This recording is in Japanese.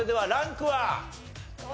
ランク４。